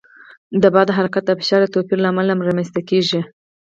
د باد حرکت د فشار د توپیر له امله رامنځته کېږي.